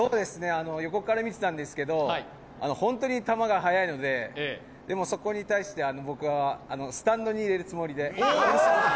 横から見てたんですけど、本当に球が速いので、でも、そこに対して僕は、スタンドに入れるつもりで。